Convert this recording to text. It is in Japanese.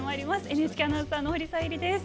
ＮＨＫアナウンサーの保里小百合です。